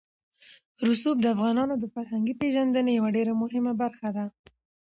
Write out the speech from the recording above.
رسوب د افغانانو د فرهنګي پیژندنې یوه ډېره مهمه برخه ده.